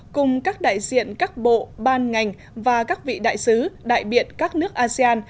cùng các đại diện các bộ ban ngành và các vị đại sứ đại biện các nước asean